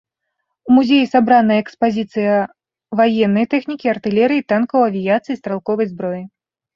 У музеі сабраная экспазіцыя ваеннай тэхнікі, артылерыі, танкаў, авіяцыі, стралковай зброі.